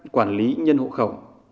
quản lý nhân hộ khẩu